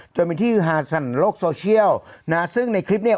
จนเป็นที่ฮาสันโลกซอเชียลนะซึ่งในคลิปนี้